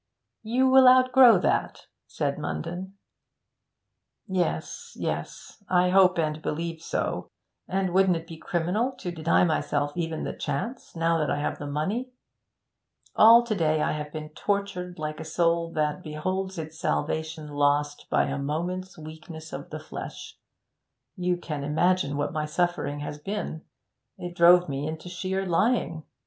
'You will outgrow that,' said Munden. 'Yes, yes, I hope and believe so. And wouldn't it be criminal to deny myself even the chance, now that I have money? All to day I have been tortured like a soul that beholds its salvation lost by a moment's weakness of the flesh. You can imagine what my suffering has been; it drove me into sheer lying.